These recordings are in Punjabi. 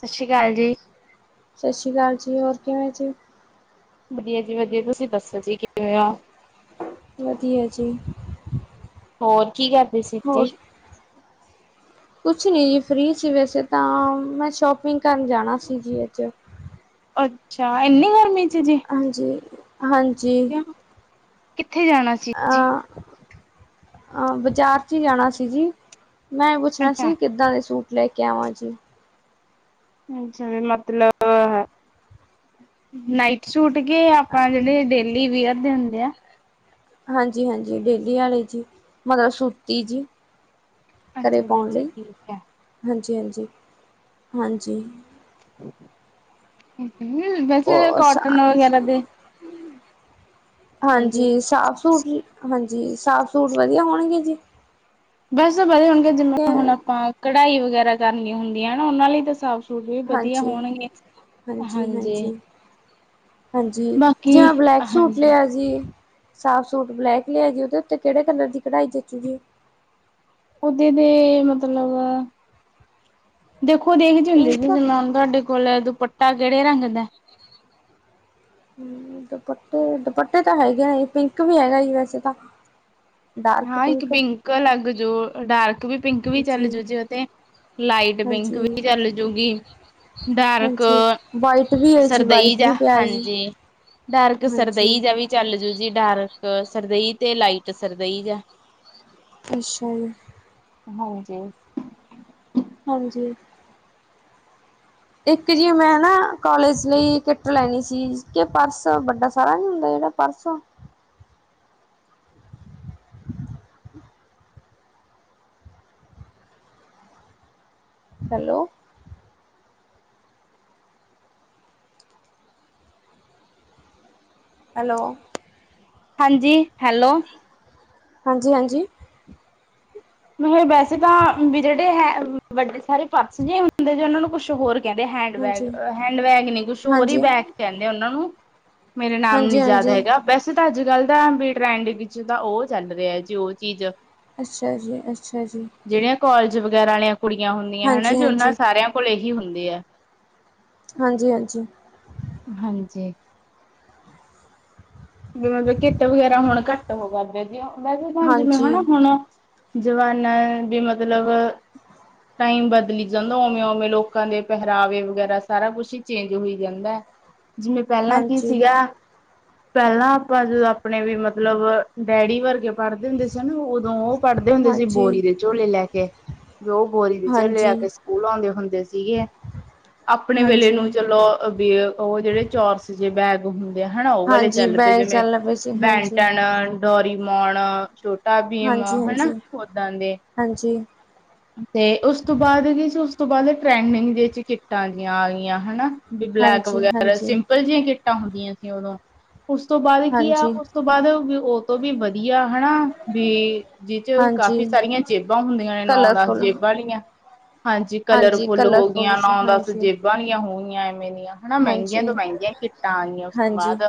ਸਸ ਸ੍ਰੀ ਕਾਲ ਜੀ। ਸਸ੍ਰੀ ਕਾਲ ਜੀ, ਹੋਰ ਕਿਵੇ ਜੀ? ਵਦੀਆ ਜੀ ਵਦੀਆ ਤੁਸੀ ਦਸੋ ਜੀ ਕੀਵੇ ਓ? ਵਦੀਆ ਜੀ। ਹੋਰ ਕੀ ਕਰਦੇ ਸੀ ਹੋਰ ਜੀ। ਕੁਛ ਨੀ ਜੀ ਫ੍ਰੀ ਸੀ ਵੈਸੇ ਤਾਂ, ਮੈਂ ਸ਼ੋਪਿੰਗ ਕਰਨ ਜਾਣਾ ਸੀ ਜੀ ਅੱਜ ਅੱਛਾ, ਇੱਨੀ ਗਰਮੀ ਚ ਜੀ। ਹਾਂਜੀ, ਹਾਂਜੀ ਕਿੱਥੇ ਜਾਣਾ ਸੀ ਜੀ? ਅ। ਹਾਂ ਬਾਜ਼ਾਰ 'ਚ ਹੀ ਜਾਣਾ ਸੀ ਜੀ ਮੈ ਪੁੱਛਣਾ ਅੱਛਾ, ਸੀ ਕਿਦਾ ਦੇ ਸੂਟ ਲੈ ਕੇ ਆਵਾ ਜੀ। ਅਛਾ ਵੀ ਮਤਲਬ ਹੈ। ਨਾਈਟ ਸੂਟ ਕੇ ਆਪਾਂ ਜਿਹੜੇ ਡੇਲੀ ਵੀਅਰ ਦੇ ਹੁਦੇ ਆ ਹਾਂਜੀ- ਹਾਂਜੀ ਡੇਲੀ ਵਾਲੇ ਜੀ ਮਤਲਬ ਸੂਤੀ ਜੀ। ਘਰੇ ਅੱਛਾ ਜੀ ਪਾਉਣ ਅੱਛਾ ਲਈ ਠੀਕ ਹੈ। ਹਾਂਜੀ- ਹਾਂਜੀ- ਹਾਂਜੀ- ਵੈਸੇ ਉਹ ਕੋਟਨ ਵਗੈਰਾ ਦੇ- ਹਾਂਜੀ ਸਾਫ ਸੂਟ ਹਾਂਜੀ ਸਾਫ ਸੂਟ ਵਧੀਆ ਹੋਣਗੇ ਜੀ ਬਸ ਪਤਾ ਹੋਣਗੇ ਤੇ ਜਿਵੇਂ ਹੁਣ ਆਪਾਂ ਕਢਾਈ ਵਗੈਰਾ ਕਰਨੀੀਆਂ ਹੁੰਦੀਆਂ ਉਹਨਾਂ ਲਈ ਤਾਂ ਸਾਫ਼ ਸੂਟ ਵੀ ਵਧੀਆ ਹਾਂਜੀ ਹੋਣਗੇ ਹਾਂਜੀ ਹਾਂਜੀ ਬਾਕੀ ਜੇ ਮੈ ਬਲੈਕ ਸੂਟ ਹਾਂਜੀ। ਲਿਆ ਜੀ। ਸਾਫ਼ ਸੂਟ ਬਲੈਕ ਲਿਆ ਜੀ ਉਹਦੇ ਉਤੇ ਕਿਹੜੇ ਕਲਰ ਦੀ ਕਢਾਈ ਜਚੂ ਗੀ। ਓਦੇ ਦੇ ਮਤਲਬ- ਦੇਖੋ ਦੇਖਦੇ ਹੁੰਦੇ ਜ ਪਿੰਕ ਜਿਵੇ ਹੁਣ ਤੁਹਾਡੇ ਕੋਲ ਦੁਪੱਟਾ ਕਿਹੜੇ ਰੰਗ ਦਾ ਹਮ ਦੁਪੱਟੇ ਦੁਪੱਟੇ ਤਾਂ ਹੈਗੇ ਪਿੰਕ ਵੀ ਹੈਗਾ ਵੈਸੇ ਤਾਂ ਹਾਂ ਇਕ ਪਿੰਕ ਅਲਗ ਜੋ ਡਾਰਕ- ਵੀ ਪਿੰਕ ਵੀ ਚੱਲ ਜੀ ਜੂ ਜੇ ਉ ਤੇ ਲਾਈਟ ਪਿੰਕ ਹਾਂਜੀ, ਵੀ ਚਲ ਜੂਗੀ ਡਾਰਕ ਹਾਂਜੀ ਵਾਈਟ ਵੀ ਹੈ ਜੀ ਸਰਦੇਈ ਵਾਈਟ ਜਾ ਵੀ ਪਿਆ ਜੀ ਹਾਂਜੀ- ਡਾਰਕ ਹਾਂਜੀ ਸਰਦਈ ਜਾ ਵੀ- ਚੱਲ ਜੂ ਜੀ ਡਾਰਕ ਸਰਦੇਈ ਤੇ ਲਾਈਟ ਸਰਦੇਈ ਜ ਅਛਾ ਜੀ। ਹਾਂਜੀ- ਹਾਂਜੀ- ਇਕ ਜੀ ਮੈ ਨਾ ਕੋਲਜ ਲਈ ਕਿੱਟ ਲੈਣੀ ਸੀ ਕਿ ਪਰਸ ਵਡਾ ਸਾਰਾ ਨਹੀ ਹੁੰਦਾ ਜਿਹੜਾ ਪਰਸ ਹੈਲੋ- ਹੈਲੋ- ਹਾਂਜੀ ਹੈਲੋ- ਹਾਂਜੀ- ਹਾਂਜੀ- ਮੈ ਕਿਹਾ ਵੈਸੇ ਤਾਂ ਵੀ ਜਿਹੜੇ ਹੈ। ਵਡੇ ਸਾਰੇ ਪਾਸ ਜਿ ਹੁੰਦੇ ਜ ਉਹਨਾਂ ਨੂੰ ਕੁਛ ਹੋਰ ਕਹਿਦੇ ਹਾਂਜੀ, ਹੈਂਡਬੈਗ ਹੈਂਡਬੈਗ ਨੀ ਕੁਛ ਹੋਰ ਹੀ ਹਾਂਜੀ, ਬੈਗ ਕਹਿਦੇ ਉਹ ਨੂੰ- ਮੇਰੇ ਨਾਮ ਜਾਦ ਹਾਂਜੀ-ਹਾਂਜੀ, ਹੈਗਾ- ਵੈਸੇ ਤਾਂ ਅਜ ਕਲ ਟਰੈਂਡ ਤਾਂ ਉਹ ਚੱਲ ਰਿਹਾ ਜੀ ਉਹ ਚੀਜ ਅਛਾ ਜੀ ਅਛਾ ਜੀ। ਜਿਹੜੀਆਂ ਕੋਾਲਜ ਵਗੈਰਾ ਵਾਲੀਆਂ ਕੁੜੀਆਂ ਹੁਦੀਆਂ ਹਨਾ ਉਹਨਾਂ ਹਾਂਜੀ-ਹਾਂਜੀ, ਸਾਰਿਆਂ ਕੋਲ ਇਹੀ ਹੁਦੀ ਆ ਹਾਂਜੀ- ਹਾਂਜੀ- ਹਾਂਜੀ- ਵੀ ਮਤਲਬ ਕਿੱਤ ਵਗੈਰਾ ਹੁਣ ਘੱਟ ਹੋ ਕਰਦੇ ਜ ਮੈਂ ਵੀ ਹ ਜਿਵੇਂ ਹਾਂਜੀ, ਹਨਾ ਹੁਣ ਜਮਾਨਾਂ ਵੀ ਮਤਲਬ ਟਾਈਮ ਬਦਲੀ ਜਾਂਦਾ ਉਵੇਂ ਉਵੇਂ ਲੋਕਾਂ ਦੇ ਪਹਿਰਾਵੇ ਵਗੈਰਾ ਸਾਰਾ ਕੁਛ ਹੀ ਚੇਂਜ ਹੋਈ ਜਾਂਦਾ ਹੈ। ਜਿਵੇਂ ਪਹਿਲਾਂ ਕੀ ਸੀਗਾ। ਪਹਿਲਾਂ ਆਪਾਂ ਜਦੋਂ ਆਪਣੇ ਵੀ ਮਤਲਬ ਡੈਡੀ ਵਰਗੇ ਪੜ੍ਹਦੇ ਹੁੰਦੇ ਸੀ ਨਾ ਉਦੋਂ ਉਹ ਪੜ੍ਹਦੇ ਹੁੰਦੇ ਸੀ ਹਾਂਜੀ, ਬੋਰੀ ਹਾਂਜੀ। ਦੇ ਝੋਲੇ ਲੈ ਕੇ ਵੀ ਉਹ ਬੋਰੀ ਦੇ ਝੋਲੇ ਹਾਂਜੀ, ਲੈ ਕੇ ਸਕੂਲ ਆਉਂਦੇ ਹੁੰਦੇ ਸੀਗੇ ਹਾਂਜੀ, ਹਾਂਜੀ ਆਪਣੇ ਹਾਂਜੀ, ਵੇਲੇ ਨੂੰ ਚਲੋ ਵੀ ਉਹ ਜਿਹੜੇ ਚੋਰ ਜੇ ਬੈਗ ਹੁੰਦੇ ਹਨਾ ਉਹ ਵਾਲੇ ਹਾਂਜੀ ਚੱਲ ਪਏ ਬੈਗ ਜਿਵੇਂ ਚੱਲ ਪਏ ਸੀ ਹਾਂਜੀ। ਬੈਂਟਾਂ ਡੋਰੀਮੋਣ ਛੋਟਾ ਭੀਮ ਹਨਾ ਹਾਂਜੀ-ਹਾਂਜੀ, ਓਦਾਂ ਦੇ। ਹਾਂਜੀ, ਤੇ ਉਸ ਤੋਂ ਬਾਅਦ ਕੀ ਉਸ ਤੋਂ ਬਾਅਦ ਟ੍ਰੈਂਡਿੰਗ ਦੇ ਵਿੱਚ ਕਿੱਟਾਂ ਦੀਆਂ ਆ ਗਈਆਂ ਹਨਾ। ਵੀ ਬਲੈਕ ਵਗੈਰਾ ਹਾਂਜੀ-ਹਾਂਜੀ, ਸਿੰਪਲ ਜਿਹੀਆਂ ਕਿੱਟਾਂ ਹੁੰਦੀਆਂ ਸੀ ਉਦੋਂ ਉਸ ਤੋਂ ਬਾਅਦ ਕੀ ਆ ਹਾਂਜੀ। ਉਸ ਤੋਂ ਬਾਅਦ ਵੀ ਉਹ ਤੋਂ ਵੀ ਵਧੀਆ ਹਨਾ ਵੀ। ਜਿਸ ਹਾਂਜੀ, ਹਾਂਜੀ, ਚ ਕਾਫੀ ਹਾਂਜੀ ਸਾਰੀਆਂ ਜੇਬਾਂ ਹੁੰਦੀਆਂ ਨੇ ਨੌ ਦਸ ਕਲਰਫੁਲ ਜੇਬਾਂ ਲਈਆਂ। ਹਾਂਜੀ, ਕਲਰਫੁੱਲ ਹੋ ਕਲਰਫੁਲ ਗਆਂ ਜੀ ਨ ਦੱਸ ਹਾਂਜੀ। ਜੇਬਾਂ ਦੀੀਆਂ ਹੋ ਗਆਂ ਐਵੇਂ ਦੀਆਂ। ਹਨਾ ਮਹਿੰਗੀਆਂ ਹਾਂਜੀ, ਤੋਂ ਮਹਿੰਗੀਆਂ ਕਿੱਟਾਂ ਆਈਆਂ ਉਸ ਤੋਂ ਹਾਂਜੀ, ਬਾਅਦ।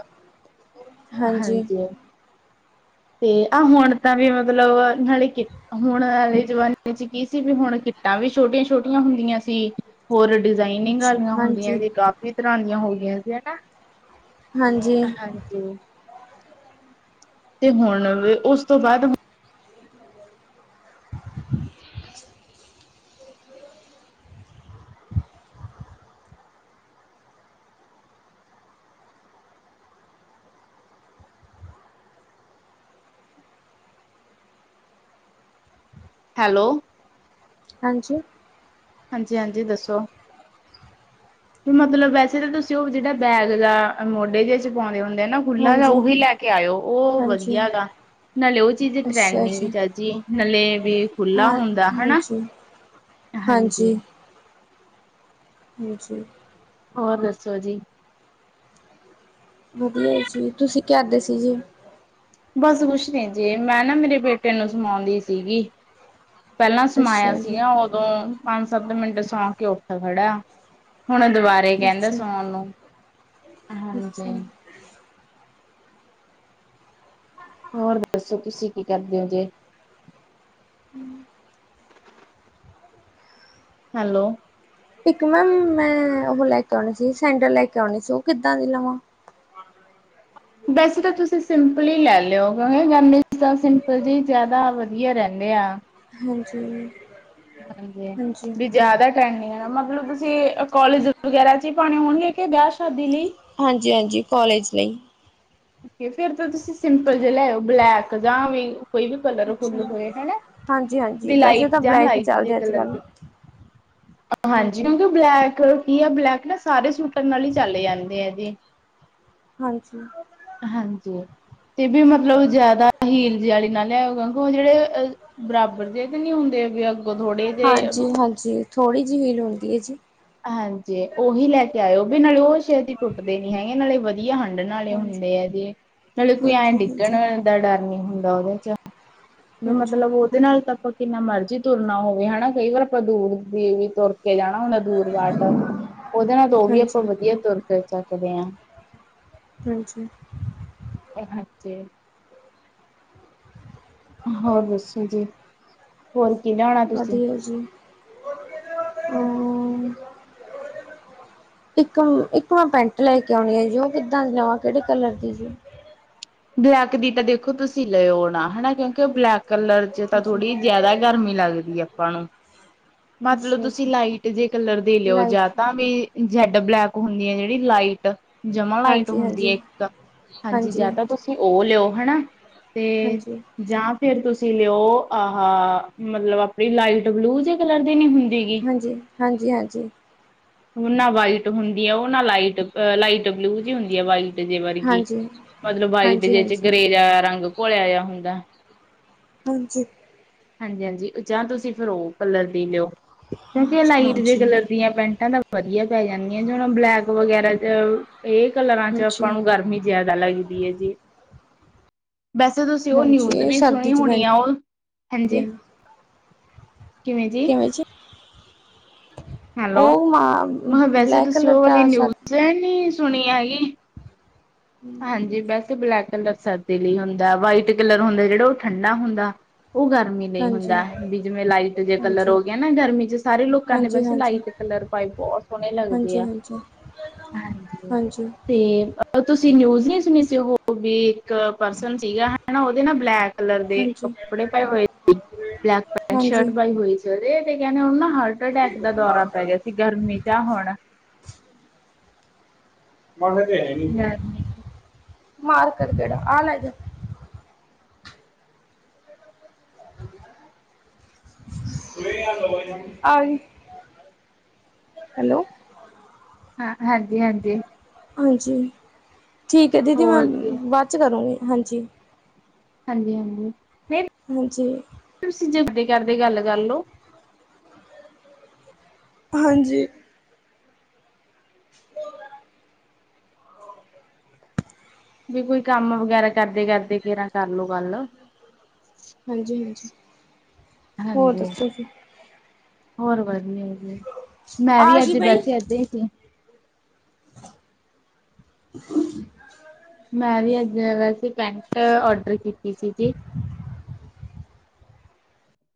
ਹਾਂਜੀ, ਤੇ ਆਹ ਹੁਣ ਤਾਂ ਵੀ ਮਤਲਬ ਨਾਲੇ ਕਿ। ਹੁਣ ਵਾਲੇ ਜ਼ਮਾਨੇ ਚ ਕੀ ਸੀ ਵੀ ਹੁਣ ਕਿੱਟਾਂ ਵੀ ਛੋਟੀਆਂ ਛੋਟੀਆਂ ਹੁੰਦੀਆਂ ਸੀ। ਹੋਰ ਡਿਜ਼ਾਇਨਿੰਗ ਅੱਛਾ ਵਾਲੀਆਂ ਹਾਂਜੀ, ਹੁੰਦੀਆਂ ਜ ਕਾਫੀ ਤਰ੍ਹਾਂ ਦੀਆਂ ਹੋ ਗਈਆਂ ਸੀ ਹਨਾ। ਹਾਂਜੀ, ਹਾਂਜੀ ਤੇ ਹੁਣ ਉਸ ਤੋਂ ਬਾਅਦ ਹੈਲੋ, ਹਾਂਜੀ, ਹਾਂਜੀ ਹਾਂਜੀ ਦੱਸੋ? ਤੇ ਮਤਲਬ ਵੈਸੇ ਤਾਂ ਤੁਸੀਂ ਉਹ ਜਿਹੜਾ ਬੈਗ ਜਾਂ ਮੋਢੇ ਜ ਚ ਪਾਉਂਦੇ ਹੁੰਦੇ ਆ ਨਾ। ਖੁੱਲਾ ਜ ਹਾਂਜੀ, ਉਹੀ ਲੈ ਕੇ ਆਇਓ ਉਹ ਹਾਂਜੀ। ਵਧੀਆ ਗਾ। ਨਾਲੇ ਉਹ ਚੀਜ਼ ਅੱਛਾ ਟਰੈਂਡ ਨ ਜੀ, ਚਾਜੀ ਨਾਲੇ ਵੀ ਖੁੱਲਲਾ ਹਾਂ ਹੁੰਦਾ ਹਨਾ। ਹਾਂਜੀ, ਹਾਂਜੀ ਹਾਂਜੀ, ਹੋਰ ਦੱਸੋ ਜੀ। ਵਧੀਆ ਜੀ ਤੁਸੀਂ ਕਦੇ ਸੀ ਜੀ। ਬਸ ਕੁਛ ਨੀ ਜੇ ਮੈਂ ਨਾ ਮੇਰੇ ਬੇਟੇ ਨੂੰ ਸਮਾਉਂਦੀ ਸੀਗੀ। ਪਹਿਲਾਂ ਸਮਾਇਆ ਅੱਛਾ ਜੀ, ਸੀਗਾ ਉਹ। ਉਦੋਂ ਪੰਜ ਸੱਤ ਮਿੰਟ ਸੌਂ ਕੇ ਉੱਠ ਖੜਾ ਹੁਣ ਦੁਬਾਰਾ। ਕਹਿੰਦਾ ਅੱਛਾ, ਸੁਣਣ ਨੂੰ ਹਾਂਜੀ। ਅੱਛਾ। ਹੋਰ ਦੱਸੋ ਤੁਸੀਂ ਕੀ ਕਰਦੇ ਹੋ ਜੇ। ਹੂੰ, ਹੈਲੋ, ਇੱਕ ਮੈਮ ਮੈਂ ਉਹ ਲੈ ਕੇ ਆਉਣੀ ਸੀ ਸੈਂਡਲ ਲੈ ਕੇ ਆਉਣੇ ਸੀ ਉਹ ਕਿੱਦਾਂ ਦੀ ਲਵਾਂ। ਹਾਂ, ਵੈਸੇ ਤਾਂ ਤੁਸੀਂ ਸਿੰਪਲ ਹੀ ਲੈ ਲਿਓ ਕਿਉਂਕਿ ਗਮ ਤਾਂ ਸਿੰਪਲ ਜੀ ਜ਼ਿਆਦਾ ਵਧੀਆ ਰਹਿੰਦੇ ਆ। ਹਾਂਜੀ- ਹਾਂਜੀ [unintelligible] ਜ਼ਿਆਦਾ ਟੈਂਡਿੰਗ ਮਤਲਬ ਤੁਸੀਂ ਕੋਲੇਜ ਵਗੈਰਾ ਚ ਹੀ ਪਾਉਣੇ ਹੋਣਗੇ ਕਿ ਵਿਆਹ ਸ਼ਾਦੀ ਲਈ। ਹਾਂਜੀ ਹਾਂਜੀ ਕੋਲੇਜ ਲਈ। ਫਿਰ ਤਾਂ ਤੁਸੀਂ ਸਿੰਪਲ ਜੇ ਲੈ ਬਲੈਕ ਜਾਂ ਵੀ ਕੋਈ ਵੀ ਕਲਰ ਅੱਛਾ, ਫੁੱਲ ਹੋਏ ਹਨਾ। ਹਾਂਜੀ, ਹਾਂਜੀ ਵੀ ਵੈਸੇ ਲਾਈਟ ਤਾਂ ਜਾਂ ਬਲੈਕ ਹੀ ਲਾਈਟ ਜ ਚੱਲਦੇ ਅੱਜ ਕਲਰ ਕੱਲ ਹਾਂਜੀ ਕਿਉਂਕਿ ਬਲੈਕ ਕੀ ਆ ਬਲੈਕ ਨਾ ਸਾਰੇ ਸੂਟਰ ਨਾਲ ਹੀ ਚਲੇ ਜਾਂਦੇ ਆ ਜੀ। ਹਾਂਜੀ, ਹਾਂਜੀ ਤੇ ਵੀ ਮਤਲਬ ਜਿਆਦਾ ਹੀਲ ਜਿਆਲੀ ਨਾਲ ਲਿਆਓਗਾ ਕਿ ਜਿਹੜੇ ਬਰਾਬਰ ਜੇ ਤੇ ਨੀ ਹੁੰਦੇ। ਥੋੜੇ ਜੇ ਹਾਂਜੀ ਹਾਂਜੀ, ਥੋੜ੍ਹੀ ਜਿ ਹੀਲ ਹੁੰਦੀ ਹੈ ਜੀ। ਹਾਂਜੀ ਉਹੀ ਲੈ ਕੇ ਆਇਓ ਵੀ ਨਾਲੇ ਉਹ ਸ਼ੇਤੀ ਟੁੱਟਦੇ ਨੀ ਹੈਗੇ ਨਾਲੇ ਵਧੀਆ ਹੰਢਣ ਨਾਲੇ ਹੁਣੇ ਹਾਂਜੀ, ਤੇ ਅਜੇ ਕੋਈ ਐ ਹਾਂਜੀ, ਡਿੱਗਣ ਹਾਂਜੀ, ਦਾ ਡਰ ਨਹੀਂ ਹੁੰਦਾ ਉਹਦੇ ਹਾਂਜੀ, ਮਤਲਬ ਤੇ ਨਾਲ ਤੱਕ ਕਿੰਨਾ ਮਰਜ਼ੀ ਤੁਰਨਾ ਹੋਵੇ ਹਨਾ ਕਈ ਵਾਰ ਆਪਾਂ ਦੂਰ ਵੀ ਤੁਰ ਕੇ ਜਾਣਾ ਹੁਣ ਦੂਰ ਵਾਟ ਉਹਦੇ ਨਾਲ ਦੋ ਵੀ ਆਪਾਂ ਹਾਂਜੀ, ਵਧੀਆ ਤੁਰ ਪਏ ਸਕਦੇ ਹਾਂਜੀ ਉਹ ਹ ਚ ਹੋਰ ਦੱਸੋ ਜੀ ਫੋਲ ਕਿ ਨਾ ਵਧੀਆ ਜੀ ਹਮ ਇਕ ਇਕਨਾ ਪੈਂਟ ਲੈ ਕੇ ਆਉਦੀ ਕਿਹੜੀ ਕਲਰ ਦੀ ਸੀ ਬਲੈਕ ਦੀ ਤਾਂ ਦੇਖੋ ਤੁਸੀਂ ਲਿਓ ਨਾ ਹਨਾ ਕਿਉਂਕਿ ਉਹ ਬਲੈਕ ਕਲਰ ਚ ਤਾਂ ਜੀ ਥੋੜੀ ਜਿਆਦਾ ਗਰਮੀ ਲੱਗਦੀ ਆਪਾਂ ਮਤਲਬ ਅੱਛਾ ਤੁਸੀਂ ਜੀ ਲਾਈਟ ਜੇ ਕਲਰ ਦੀ ਲਿਓ ਜਾਂ ਲਾਈਟ ਤਾਂ ਵੀ ਜ ਬਲੈਕ ਹੁੰਦੀ ਹ ਜਿਹੜੀ ਲਾਈਟ ਜਮਾ ਲਾਈਟ ਹਾਂਜੀ ਹੁੰਦੀ ਹਾਂਜੀ ਹ ਹਾਂਜੀ ਜਾਂ ਤਾਂ ਤੁਸੀਂ ਉਹ ਲਿਓ ਹਨਾ ਤੇ ਹਾਂਜੀ ਜਾਂ ਫਿਰ ਤੁਸੀਂ ਲਿਓ ਆਹਾ, ਮਤਲਬ ਆਪਣੇ ਲਾਇਟ ਬਲੂ ਜਿਹੇ ਕਲਰ ਦੇ ਨੀ ਹੁੰਦੇ? ਹਾਂਜੀ ਹਾਂਜੀ ਹਾਂਜੀ ਉਹ ਨਾਂ ਵਾਈਟ ਹੁੰਦੀ ਹ ਉਹ ਨਾ ਲਾਈਟ ਲਾਈ ਬਲੂ ਜਿਹੀ ਹੁੰਦੀ ਆ ਬਾਈਟ ਹਾਂਜੀ ਹਾਂਜੀ ਮਤਲਬ ਵਾਈਟ ਹਾਂਜੀ ਜਿਹੇ ਚ ਗਰੇ ਜਿਹਾ ਰੰਗ ਘੁਲ਼ਿਆ ਹੁੰਦਾ ਹਾਂਜੀ ਹਾਂਜੀ ਹਾਂਜੀ ਜਾਂ ਤੁਸੀਂ ਫਿਰ ਉਹ ਕਲਰ ਦੀ ਲਿਓ ਹਾਂਜੀ ਕਲਰ ਦੀਆਂ ਪੈਂਟਾਂ ਦਾ ਵਧੀਆ ਪੈ ਜਾਂਦੀਆਂ ਜ ਹੁਣ ਬਲੈਕ ਵਗੈਰਾ ਤੇ ਕਲਰਾਂ ਚ ਆਪਾਂ ਹਾਂਜੀ ਨੂੰ ਗਰਮੀ ਜਿਆਦਾ ਲੱਗਦੀ ਹ ਵੈਸੇ ਤੁਸੀਂ ਉਹ ਹਾਂਜੀ ਨਿਊਜ਼ ਇਹ ਵੀ ਸਰਦੀ ਸੁਣੀ ਚ ਹੋਣੀ ਆ ਪੈਂਦੀ ਉਹ ਆ ਹਾਂਜੀ ਕਿਵੇਂ ਜੀ ਹੈਲੋ ਉਹ ਮਾ ਹਾਂ ਵੈਸੇ ਬਲੈਕ ਤੁਸੀਂ ਕਲਰ ਉਹ ਵਾਲੀ ਦਾ ਨਿਊਜ਼ ਸਰ [inaudible] ਹਾਂਜੀ ਵੈਸੇ ਬਲੈਕ ਕਲਰ ਦੱਸ ਸਕਦੇ ਨਹੀਂ ਹੁੰਦਾ ਵਾਈਟ ਕਲਰ ਹੁੰਦਾ ਜਿਹੜਾ ਉਹ ਠੰਡਾ ਹੁੰਦਾ ਉਹ ਗਰਮੀ ਨਹੀਂ ਹੁੰਦਾ ਹਾਂਜੀ ਹਾਂਜੀ ਵੀ ਜਿਵੇਂ ਲਾਈਟ ਜੇ ਕਲਰ ਹਾਂਜੀ ਹੋ ਗਿਆ ਨਾ ਗਰਮੀ ਚ ਸਾਰੇ ਲੋਕਾਂ ਨੇ ਹਾਂਜੀ ਤਿੰਨ ਹਾਂਜੀ ਕਲਰ ਪਾਈ ਬਹੁਤ ਸੋਹਣੇ ਲੱਗਦੇ ਆ ਹਾਂਜੀ ਹਾਂਜੀ, ਤੇ ਤੁਸੀਂ ਨਿਊਜ਼ ਨਹੀਂ ਸੀ ਉਹ ਵੀ ਪਰਸਨ ਸੀਗਾ ਹਨਾ ਉਹਦੇ ਨਾਲ ਬਲੈਕ ਕਲਰ ਦੇ ਹਾਂਜੀ, ਕੱਪੜੇ ਪਾਏ ਹੋਏ ਸੀ ਬਲੈਕ ਕਲਰ ਦੀ ਪੈਂਟ ਹਾਂਜੀ। ਸ਼ਰਟ ਪਾਈ ਹੋਈ ਸੀ ਹਰਟ ਟੈਕ ਦਾ ਦੌਰਾ ਪੈ ਗਿਆ ਸੀ ਮਾਰਕਰ ਗਰਮੀ ਜਾਂ ਹੁਣ ਗਰਮੀ ਮਾਰਕਰ ਕਿਹੜਾ ਆਹ ਲੈ ਹਜੀ ਹੈਲੋ ਹਾਂ ਹਾਂਜੀ ਹਾਂਜੀ ਹਾਂਜੀ ਠੀਕ ਹ ਦੀਦੀ ਮੈਂ ਹੋਰ ਜੀ ਬਾਅਦ ਚ ਕਰੂੰਗੀ ਹਾਂਜੀ ਹਾਂਜੀ ਹਾਂਜੀ ਨਹੀਂ ਹਾਂਜੀ ਤੁਸੀਂ ਜਬਰੀ ਕਰਦੇ ਗੱਲ ਕਰ ਲਓ ਹਾਂਜੀ ਵੀ ਕੋਈ ਕੰਮ ਵਗੈਰਾ ਕਰਦੇ ਕਰਦੇ ਕੇਰਾਂ ਕਰਲੂ ਕਰ ਲਓ ਹਾਂਜੀ ਹਾਂਜੀ ਹੋਰ ਹਾਂਜੀ ਦੱਸੋ ਜੀ ਹੋਰ ਵਧੀਆ ਮੈਂ ਵੀ ਆਗੀ ਅੱਜ ਵੈਸੇ ਏਦਾਂ ਹੀ ਸੀ ਹ [inaudible] ਮੈਂ ਵੀ ਅੱਜ ਪੈਂਟ ਆਰਡਰ ਕੀਤੀ ਸੀ ਜੀ